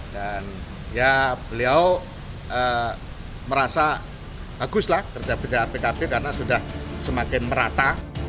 dan beliau merasa bagus kerja kerja pkb karena sudah semakin merata